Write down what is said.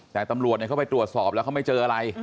แต่ตำรวจเขาไปตรวจสอบแล้วเขาไม่เจออะไร